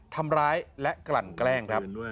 ทำร้ายและกลั่นแกล้งครับ